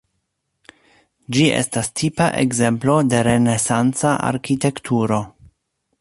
Ĝi estas tipa ekzemplo de renesanca arkitekturo.